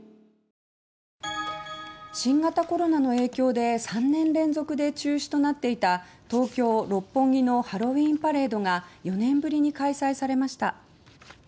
新型コロナの影響で３年連続で中止となっていた東京六本木のハロウィーンパレードが４年ぶりに開催されました。